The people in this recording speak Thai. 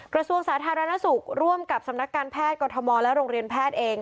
กระทรวงสาธารณสุขร่วมกับสำนักการแพทย์กรทมและโรงเรียนแพทย์เอง